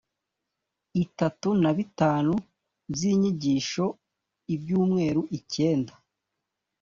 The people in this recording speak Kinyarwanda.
itatu na bitanu by inyigisho ibyumweru icyenda